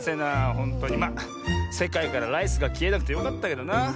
ほんとにまあせかいからライスがきえなくてよかったけどな。